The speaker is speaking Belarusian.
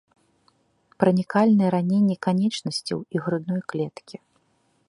Пранікальныя раненні канечнасцяў і грудной клеткі.